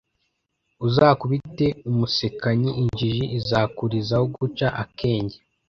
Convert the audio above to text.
uzakubite umusekanyi, injiji izakurizaho guca akenge